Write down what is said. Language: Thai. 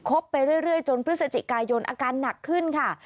บไปเรื่อยจนพฤศจิกายนอาการหนักขึ้นค่ะ